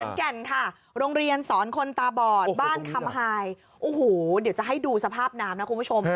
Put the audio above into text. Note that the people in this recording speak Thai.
แก่นค่ะโรงเรียนสอนคนตาบอดบ้านคำไฮโอ้โหเดี๋ยวจะให้ดูสภาพน้ำนะคุณผู้ชม